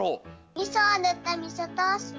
みそをぬったみそトースト。